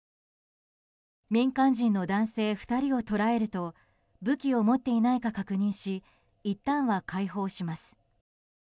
民間人の男性２人を捕らえると武器を持っていないか確認しいったんは解放します。